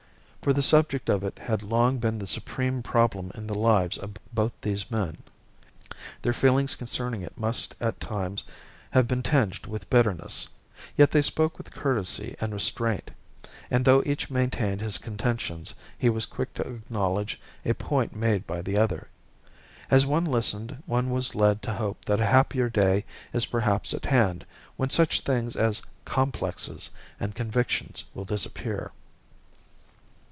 For the subject of it had long been the supreme problem in the lives of both these men, their feelings concerning it must at times have been tinged with bitterness, yet they spoke with courtesy and restraint, and though each maintained his contentions he was quick to acknowledge a point made by the other. As one listened one was led to hope that a happier day is perhaps at hand when such things as "complexes" and convictions will disappear.